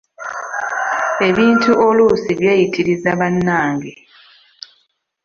Ebintu oluusi byeyitiriza bannange!